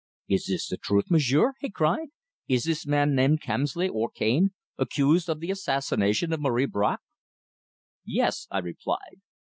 "Is this the truth, m'sieur?" he cried. "Is this man named Kemsley, or Cane, accused of the assassination of Marie Bracq?" "Yes," I replied.